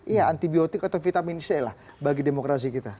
iya antibiotik atau vitamin c lah bagi demokrasi kita